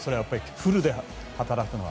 フルで働くのは。